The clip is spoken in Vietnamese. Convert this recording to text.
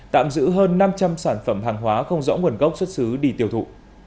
tạm giữ hơn năm trăm linh sản phẩm hàng hóa không rõ nguồn gốc xuất xứ đi tiêu thụ